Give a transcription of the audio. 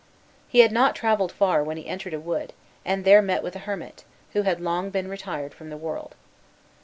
He had not travelled far when he entered a wood, and there met with a hermit, who had long been retired from the world.